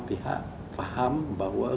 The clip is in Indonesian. pihak paham bahwa